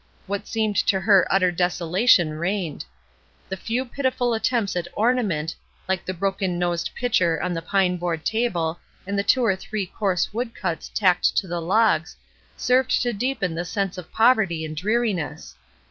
What seemed to her utter desolation reigned. The few pitiful attempts at ornament, Uke the broken nosed pitcher on the pine board table and the two or three coarse woodcuts tacked to the logs, served to deepen the sense of poverty and dreariness.